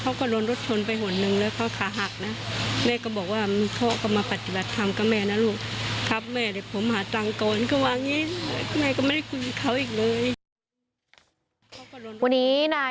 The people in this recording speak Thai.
วันนี้นายคุณว่า